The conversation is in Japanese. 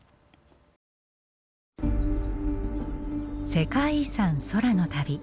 「世界遺産空の旅」。